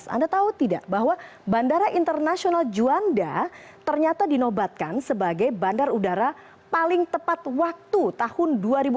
anda tahu tidak bahwa bandara internasional juanda ternyata dinobatkan sebagai bandar udara paling tepat waktu tahun dua ribu enam belas